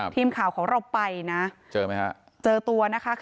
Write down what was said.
ทีมข่าวของเราไปนะเจอตัวนะคะ